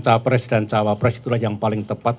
capres dan cawapres itulah yang paling tepat